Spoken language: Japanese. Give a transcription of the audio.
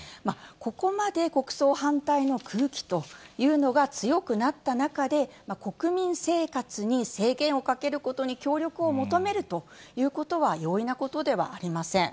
ここまで国葬反対の空気というのが強くなった中で、国民生活に制限をかけることに協力を求めるということは容易なことではありません。